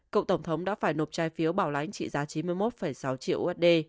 cựu tổng thống đã phải nộp trái phiếu bảo lãnh trị giá chín mươi một sáu triệu usd